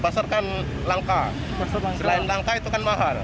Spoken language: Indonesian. pasar kan langka selain langka itu kan mahal